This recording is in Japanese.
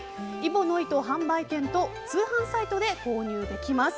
揖保乃糸販売店と通販サイトで購入できます。